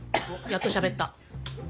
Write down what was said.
やっとしゃべった。